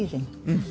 うん。